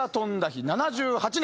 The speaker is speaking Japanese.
７８年。